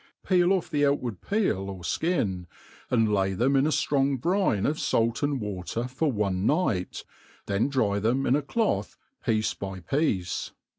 Peel off tfee o«ttwar^ peel or fkiii, ati4. Jay them in a Qnoag brine of f^it and water for one night, th«n dry them in acciod), piece by piece.